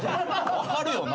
分かるよな？